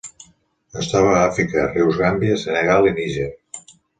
Es troba a Àfrica: rius Gàmbia, Senegal i Níger.